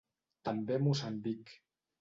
També a Moçambic.